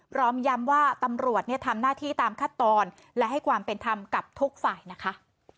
พร้อมย้ำว่าตำรวจทำหน้าที่ตามขั้นตอนและให้ความเป็นธรรมกับทุกฝ่ายนะคะ